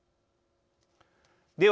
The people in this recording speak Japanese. では